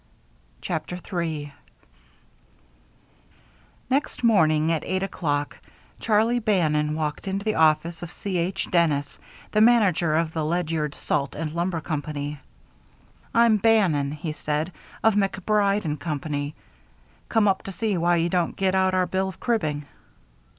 CHAPTER III Next morning at eight o'clock Charlie Bannon walked into the office of C. H. Dennis, the manager of the Ledyard Salt and Lumber Company. "I'm Bannon," he said, "of MacBride & Company. Come up to see why you don't get out our bill of cribbing."